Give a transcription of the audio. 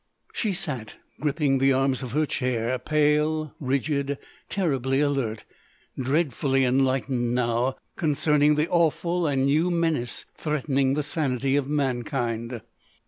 She sat, gripping the arms of her chair, pale, rigid, terribly alert, dreadfully enlightened, now, concerning the awful and new menace threatening the sanity of mankind.